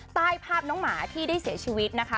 ใต้ภาพน้องหมาที่ได้เสียชีวิตนะคะ